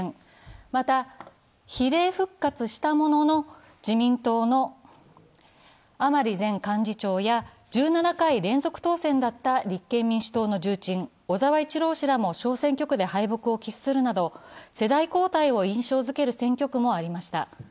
また比例復活したものの自民党の甘利前幹事長や１７回連続当選だった立憲民主党の重鎮、小沢一郎氏らも小選挙区で敗北を喫するなど世代交代を印象づける選挙区もありました。